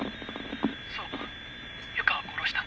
「そう湯川を殺した」